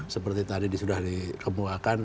seperti tadi sudah dikemukakan